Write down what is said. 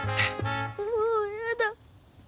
もうやだ。